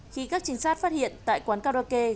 khi các trinh sát phát hiện tại quán karaoke